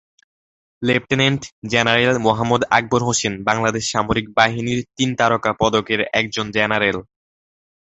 Lieutenant general Mohammad Akbar Hossain Bangladesh সামরিক বাহিনীর তিন তারকা পদক এর একজন জেনারেল।